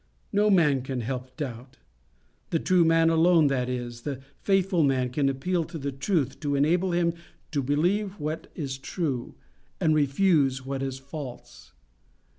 No man can help doubt. The true man alone, that is, the faithful man, can appeal to the Truth to enable him to believe what is true, and refuse what is false.